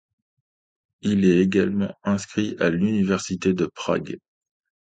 Il est également inscrit à l'université de Prague.